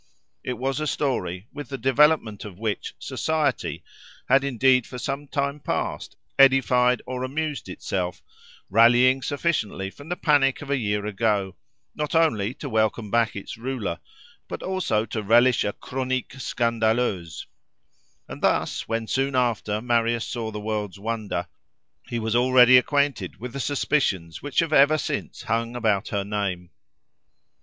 It was a story, with the development of which "society" had indeed for some time past edified or amused itself, rallying sufficiently from the panic of a year ago, not only to welcome back its ruler, but also to relish a chronique scandaleuse; and thus, when soon after Marius saw the world's wonder, he was already acquainted with the suspicions which have ever since hung about her name.